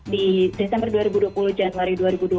di desember dua ribu dua puluh januari dua ribu dua puluh